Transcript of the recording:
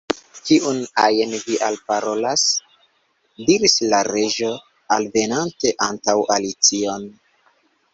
"Kiun ajn vi alparolas?" diris la Reĝo, alvenante antaŭ Alicion.